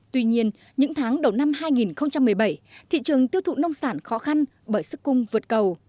tuy nhiên những tháng đầu năm hai nghìn một mươi bảy thị trường tiêu thụ nông sản khó khăn bởi sức cung vượt cầu